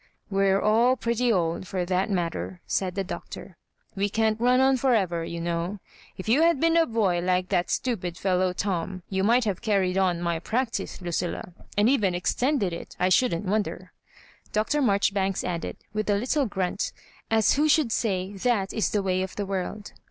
" We're all pretty old, for that matter," said the Doctor; "we can't run on for ever, you know. If you had been a boy like that stupid fellow Tom, you might have carried on my prac tice, Lucilla — and even extended it, I shouldn't wonder," Dr. Marjoribanks added, with a little grunt, as who should say that is the way of the world.